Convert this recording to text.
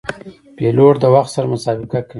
پیلوټ د وخت سره مسابقه کوي.